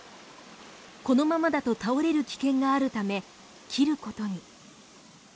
このままだと倒れる危険があるため切ることに。